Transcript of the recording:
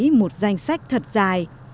và đăng ký một danh sách thật dài